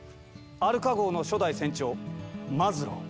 アルカ号の初代船長マズロー。